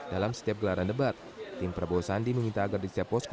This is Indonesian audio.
dalam setiap gelaran debat tim prabowo sandi meminta agar di setiap posko